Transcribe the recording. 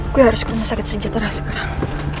gue harus ke rumah sakit sejahtera sekarang